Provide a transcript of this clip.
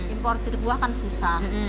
importer buah kan susah